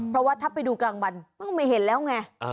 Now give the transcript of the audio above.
เพราะว่าถ้าไปดูกลางวันเพิ่งไม่เห็นแล้วไง